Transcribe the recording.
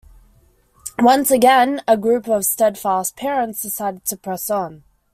Once again a group of steadfast parents decided to press on.